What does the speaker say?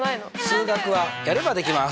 数学はやればできます！